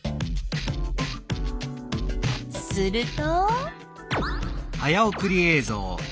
すると。